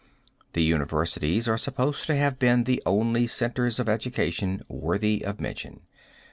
The universities are supposed to have been the only centers of education worthy of mention.